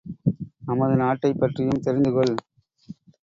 நமது நாட்டைப் பற்றியும் தெரிந்துகொள்.